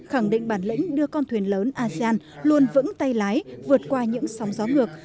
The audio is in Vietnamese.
khẳng định bản lĩnh đưa con thuyền lớn asean luôn vững tay lái vượt qua những sóng gió ngược